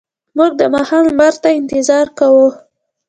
موږ د ماښام لمر ته انتظار کاوه.